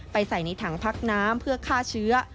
ใส่ในถังพักน้ำเพื่อฆ่าเชื้อ